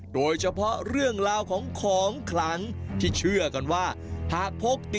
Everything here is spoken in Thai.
โดยเฉพาะเรื่องราวของของขลัง